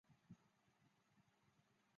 邦比阿仙奴丹麦国家队个人邦比个人